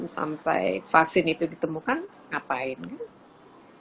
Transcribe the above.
sampai vaksin itu ditemukan ngapain gitu